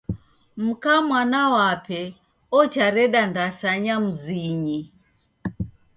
Mka mwana wape ochareda ndasanya mzinyi.